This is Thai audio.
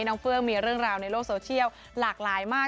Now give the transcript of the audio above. เฟื่องมีเรื่องราวในโลกโซเชียลหลากหลายมาก